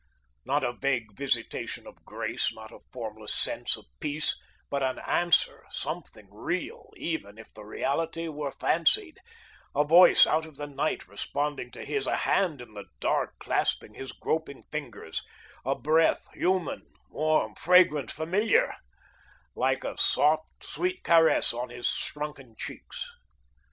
Not a vague visitation of Grace, not a formless sense of Peace; but an Answer, something real, even if the reality were fancied, a voice out of the night, responding to his, a hand in the dark clasping his groping fingers, a breath, human, warm, fragrant, familiar, like a soft, sweet caress on his shrunken cheeks.